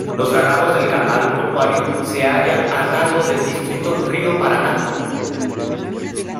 Los dragados del canal portuario se hallan a cargo del Distrito Río Paraná.